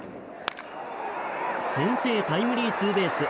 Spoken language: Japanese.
先制タイムリーツーベース。